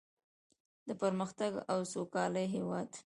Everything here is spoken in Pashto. د پرمختګ او سوکالۍ هیواد.